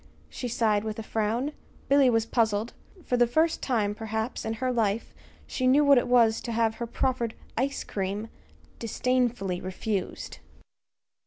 she sighed, with a frown. Billy was puzzled. For the first time, perhaps, in her life, she knew what it was to have her proffered "ice cream" disdainfully refused.